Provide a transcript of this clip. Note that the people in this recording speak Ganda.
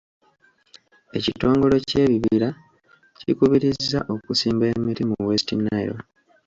Ekitongole ky'ebibira kikubirizza okusimba emiti mu West Nile.